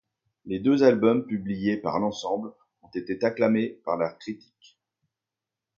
Les deux albums publiés par l'ensemble, ont été acclamés par la critique.